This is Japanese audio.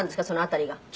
その辺りが。